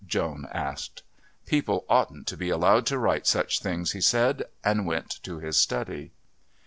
Joan asked. "People oughtn't to be allowed to write such things," he said, and went to his study.